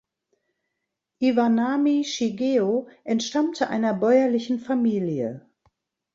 Iwanami Shigeo entstammte einer bäuerlichen Familie.